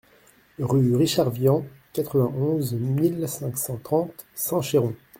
Rue Richard Vian, quatre-vingt-onze mille cinq cent trente Saint-Chéron